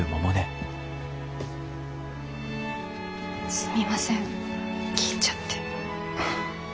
すみません聞いちゃって。